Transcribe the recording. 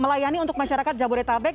melayani untuk masyarakat jabodetabek